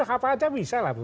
apa aja bisa lah